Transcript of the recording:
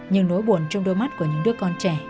nhưng nỗi buồn trong đôi mắt của những đứa con trẻ